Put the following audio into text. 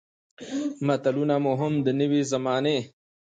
متلونه مو هم د نوې زمانې